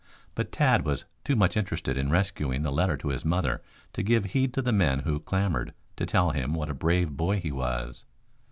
But Tad was too much interested in rescuing the letter to his mother to give heed to the men who clamored to tell him what a brave boy he was.